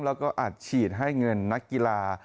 แล้วก็อัดฉีดให้เงินนักกีฬา